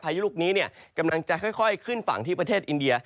ยุลูกนี้กำลังจะค่อยขึ้นฝั่งที่ประเทศอินเดีย